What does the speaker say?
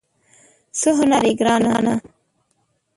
څه هنر لرې ګرانه ؟